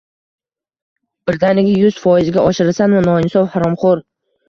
Birdaniga yuz foizga oshirasanmi, noinsof, haromxo`r